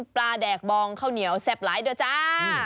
ปลาแดกบองเขาเหนียวแซ่บหลายเดี๋ยวจ้า